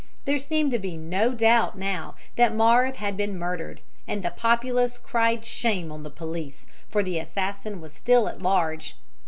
There seemed to be no doubt now that Marthe had been murdered, and the populace cried shame on the police; for the assassin was still at large.